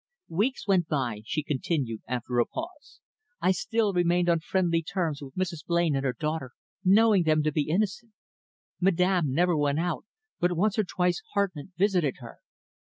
"Weeks went by," she continued, after a pause. "I still remained on friendly terms with Mrs. Blain and her daughter, knowing them to be innocent. Madame never went out, but once or twice Hartmann visited her.